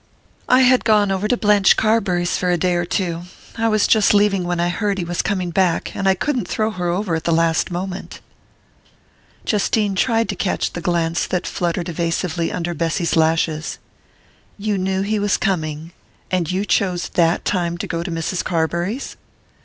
"I had gone over to Blanche Carbury's for a day or two. I was just leaving when I heard he was coming back, and I couldn't throw her over at the last moment." Justine tried to catch the glance that fluttered evasively under Bessy's lashes. "You knew he was coming and you chose that time to go to Mrs. Carbury's?"